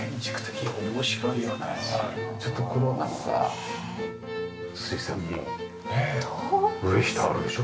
ちょっとこのなんか水栓も上下あるでしょ。